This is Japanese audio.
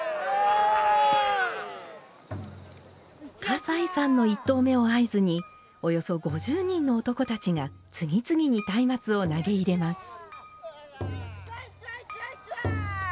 葛西さんの１投目を合図におよそ５０人の男たちが次々に松明を投げ入れます。